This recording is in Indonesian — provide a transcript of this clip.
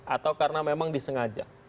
atau karena memang disengaja